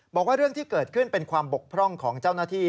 บอกว่าเรื่องที่เกิดขึ้นเป็นความบกพร่องของเจ้าหน้าที่